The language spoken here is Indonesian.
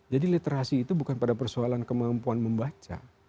jadi literasi itu bukan pada persoalan kemampuan membaca